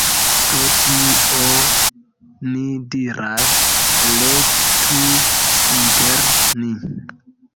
Pro tio, ni diras: elektu inter ni.